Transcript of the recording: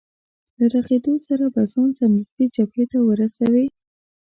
له رغېدو سره به ځان سمدستي جبهې ته ورسوې.